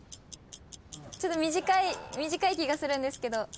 ちょっと短い気がするんですけど。